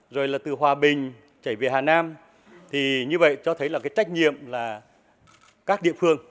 rồi là từ hòa bình chảy về hà nam thì như vậy cho thấy là cái trách nhiệm là các địa phương